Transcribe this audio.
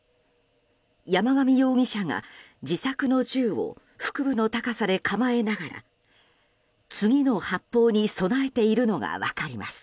山上容疑者が自作の銃を腹部の高さで構えながら次の発砲に備えているのが分かります。